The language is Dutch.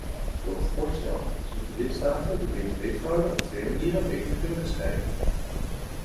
Door het voorstel zullen de lidstaten de btw-fraude op twee manieren beter kunnen bestrijden.